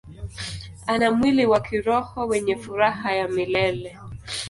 Ana mwili wa kiroho wenye furaha ya milele.